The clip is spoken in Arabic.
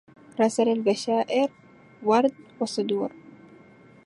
رسل البشائر ورد وصدور